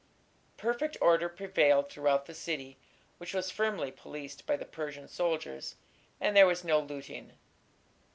Perfect order prevailed throughout the city, which was firmly policed by the Persian soldiers, and there was no looting.